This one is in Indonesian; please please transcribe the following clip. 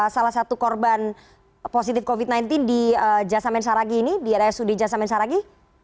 salah satu korban positif covid sembilan belas di jasamen saragi ini di rsud jasamen saragi